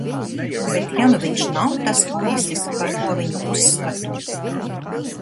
Bet ja nu viņš nav tas puisis, par ko viņu uzskatu?